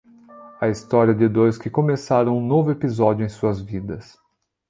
A história de dois que começaram um novo episódio em suas vidas.